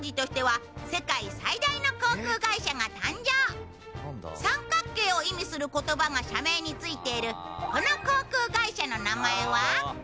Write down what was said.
１５年前三角形を意味する言葉が社名についているこの航空会社の名前は？